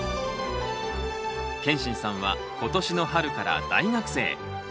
けんしんさんは今年の春から大学生。